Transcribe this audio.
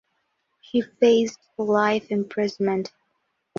She faced life imprisonment.